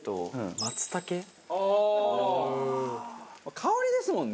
香りですもんね？